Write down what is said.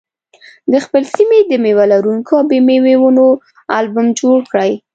د خپلې سیمې د مېوه لرونکو او بې مېوې ونو البوم جوړ کړئ.